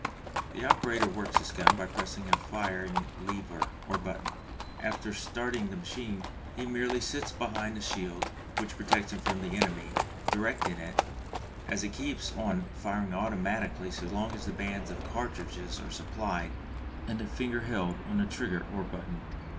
The operator works this gun by pressing a firing lever or button. After starting the machine he merely sits behind the shield, which protects him from the enemy, directing it, as it keeps on firing automatically so long as the bands of cartridges are supplied and a finger held on the trigger or button.